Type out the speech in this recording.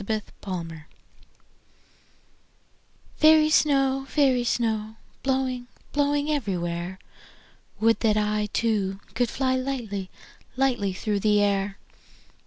Snow Song FAIRY snow, fairy snow, Blowing, blowing everywhere, Would that I Too, could fly Lightly, lightly through the air.